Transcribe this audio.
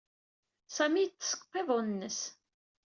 Sami yeḍḍes deg uqiḍun-nnes.